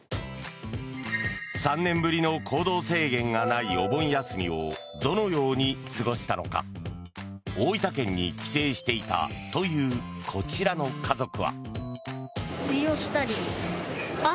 ３年ぶりの行動制限がないお盆休みをどのように過ごしたのか大分県に帰省していたというこちらの家族は。